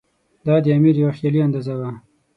دا د امیر یوه خیالي اندازه وه.